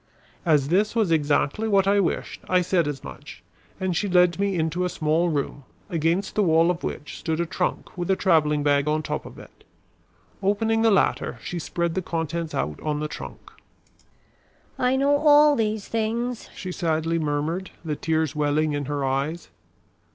As this was exactly what I wished, I said as much, and she led me into a small room, against the wall of which stood a trunk with a traveling bag on top of it. Opening the latter, she spread the contents out on the trunk. "I know all these things," she sadly murmured, the tears welling in her eyes.